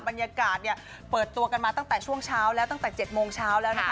บรรยากาศเปิดตัวกันมาตั้งแต่ช่วงเช้าแล้วตั้งแต่๗โมงเช้าแล้วนะคะ